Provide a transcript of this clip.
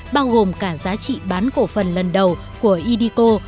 bao gồm cả giá trị bán cổ phần lần đầu của idico